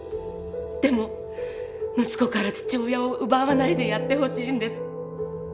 でも息子から父親を奪わないでやってほしいんです。